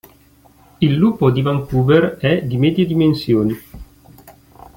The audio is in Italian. Il lupo di Vancouver è di medie dimensioni.